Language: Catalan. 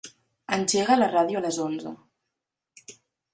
Engega la ràdio a les onze.